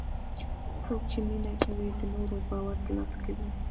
څوک چې مینه کوي، د نورو باور ترلاسه کوي.